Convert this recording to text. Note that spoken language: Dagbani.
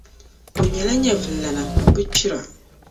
O nyɛla nyɛvulilana Ŋun bi kpira.